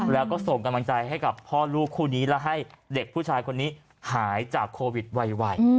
แล้วก็ส่งกำลังใจให้กับพ่อลูกคู่นี้และให้เด็กผู้ชายคนนี้หายจากโควิดไว